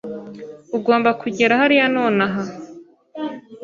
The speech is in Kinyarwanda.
Ugomba kugera hariya nonaha.